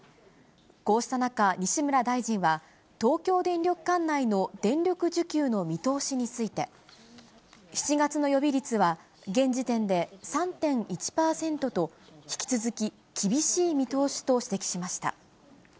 こうした中、西村大臣は、東京電力管内の電力需給の見通しについて、７月の予備率は現時点で３．１％と、引き続き厳しい見通しと指摘しました。